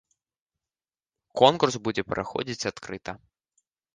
Конкурс будзе праходзіць адкрыта.